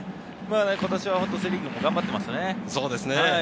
今年はセ・リーグも頑張っていますね。